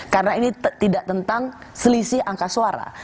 karena ini tidak tentang selisih angka suara